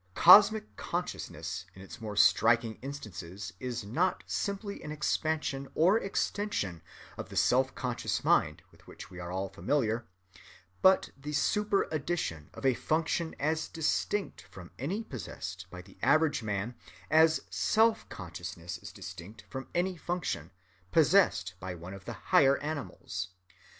"Cosmic consciousness in its more striking instances is not," Dr. Bucke says, "simply an expansion or extension of the self‐ conscious mind with which we are all familiar, but the superaddition of a function as distinct from any possessed by the average man as _self_‐consciousness is distinct from any function possessed by one of the higher animals."